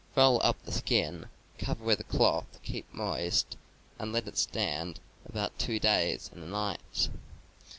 Roll up the skin, cover with a cloth to keep moist, and let it stand about two days and a night.